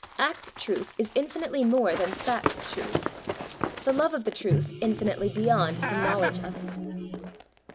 Act truth is infinitely more than fact truth; the love of the truth infinitely beyond the knowledge of it.